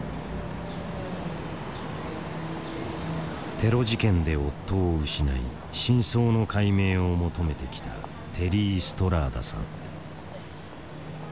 テロ事件で夫を失い真相の解明を求めてきたテリー・ストラーダさん。